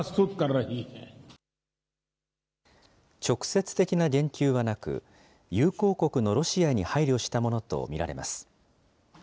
直接的な言及はなく、友好国のロシアに配慮したものと見られます。